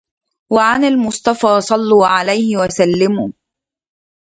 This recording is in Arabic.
عن المصطفى صلوا عليه وسلموا